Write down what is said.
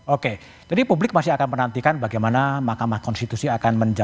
oke jadi publik masih akan menantikan bagaimana mahkamah konstitusi akan menjalankan